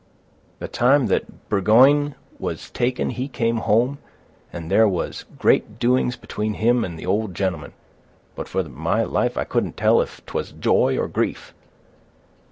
The time that Burg'yne was taken he came home, and there was great doings between him and the old gentleman, but for my life I couldn't tell if 'twas joy or grief.